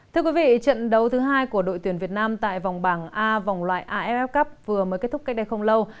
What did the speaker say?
trận đấu thứ hai của đội tuyển việt nam tại vòng bảng a vòng loại aff cup vừa mới kết thúc cách đây không lâu